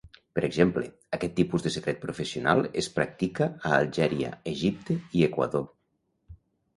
Per exemple, aquest tipus de secret professional es practica a Algèria, Egipte i Equador.